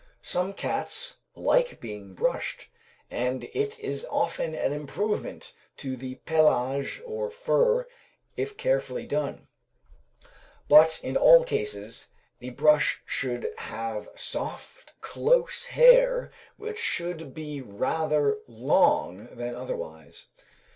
Some cats like being brushed, and it is often an improvement to the pelage or fur if carefully done; but in all cases the brush should have soft, close hair, which should be rather long than otherwise.